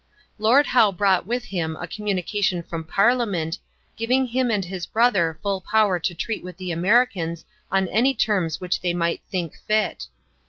Lord Howe brought with him a communication from Parliament, giving him and his brother full power to treat with the Americans on any terms which they might think fit.